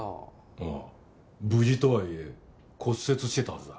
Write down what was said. ああ無事とはいえ骨折してたはずだ。